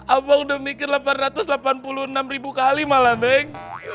abang udah mikir delapan ratus delapan puluh enam ribu kali malah bang